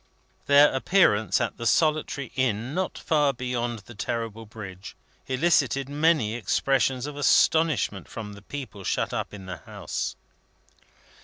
Their appearance at the solitary Inn not far beyond this terrible Bridge, elicited many expressions of astonishment from the people shut up in the house.